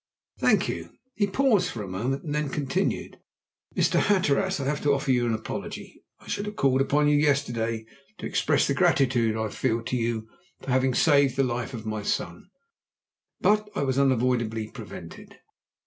"Thank you." He paused for a moment, and then continued: "Mr. Hatteras, I have to offer you an apology. I should have called upon you yesterday to express the gratitude I feel to you for having saved the life of my son, but I was unavoidably prevented."